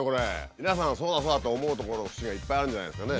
皆さんそうだそうだと思うところの節がいっぱいあるんじゃないですかね。